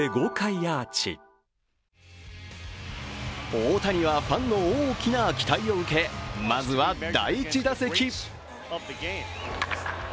大谷はファンの大きな期待を受け、まずは第１打席。